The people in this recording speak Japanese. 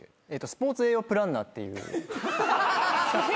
スポーツ栄養プランナーっていう。